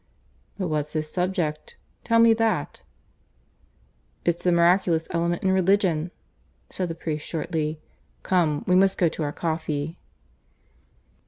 "But what's his subject? Tell me that." "It's the miraculous element in religion," said the priest shortly. "Come, we must go to our coffee."